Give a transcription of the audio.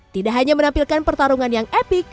tidak hanya menampilkan pertarungan yang epic